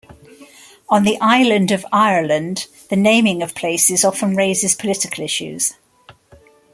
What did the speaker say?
On the island of Ireland the naming of places often raises political issues.